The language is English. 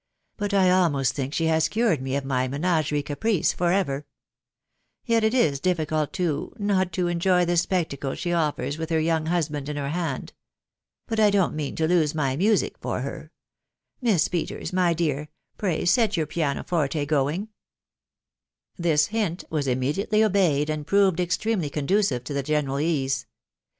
But I almost tVuuk ata ta& cured me of my me "ttgerie caprice for ever. Yet it \*&&<*&, to*, «*> wfcsf THE WIDOW BARNABT. 491 the spectacle she offers with her young husband in her hand. But 1 don't mean to lose my music for her .... Miss Peters, my dear — pray set your piano forte going." This hint was immediately obeyed, and proved extremely conducive to the general ease.